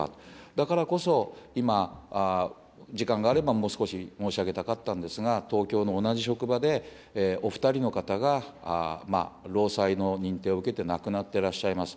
だからこそ、今、時間があればもう少し申し上げたかったんですが、東京の同じ職場で、お２人の方が労災の認定を受けて亡くなってらっしゃいます。